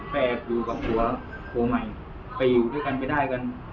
แม่อยู่กับผัวผัวใหม่ไปอยู่ด้วยกันไม่ได้กัน